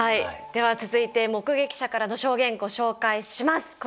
では続いて目撃者からの証言ご紹介します。